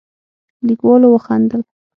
کليوالو وخندل.